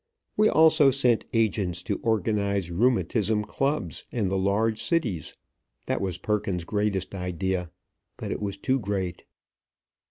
We also sent agents to organize Rheumatism Clubs in the large cities. That was Perkins's greatest idea, but it was too great.